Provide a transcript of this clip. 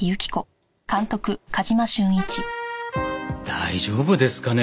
大丈夫ですかね？